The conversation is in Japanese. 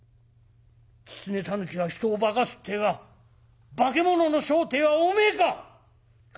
キツネタヌキは人を化かすってえのは化物の正体はおめえか！」。